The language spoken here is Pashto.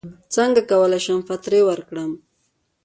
څنګه کولی شم فطرې ورکړم